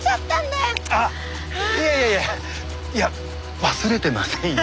あっいやいやいやいや忘れてませんよ。